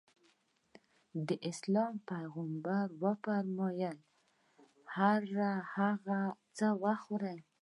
د اسلام پيغمبر ص وفرمايل هر هغه څه وخورې.